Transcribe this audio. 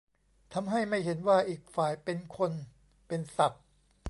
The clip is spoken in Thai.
ทำให้ไม่เห็นว่าอีกฝ่ายเป็นคน เป็นสัตว์